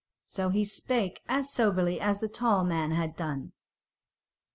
So he spake as soberly as the tall man had done.